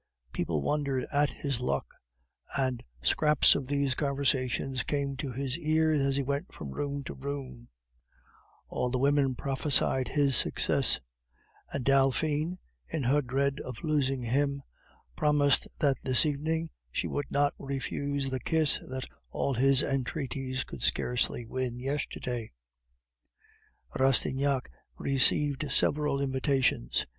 People wondered at his luck, and scraps of these conversations came to his ears as he went from room to room; all the women prophesied his success; and Delphine, in her dread of losing him, promised that this evening she would not refuse the kiss that all his entreaties could scarcely win yesterday. Rastignac received several invitations.